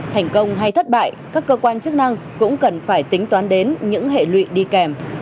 thành công hay thất bại các cơ quan chức năng cũng cần phải tính toán đến những hệ lụy đi kèm